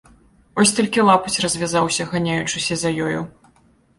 Вось толькі лапаць развязаўся, ганяючыся за ёю.